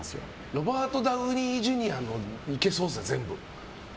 ロバート・ダウニー・ジュニアのいけそうですね、全部。